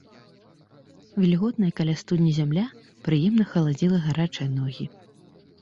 Вільготная каля студні зямля прыемна халадзіла гарачыя ногі.